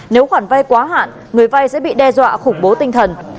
nếu khoản vai quá hạn người vai sẽ bị đe dọa khủng bố tinh thần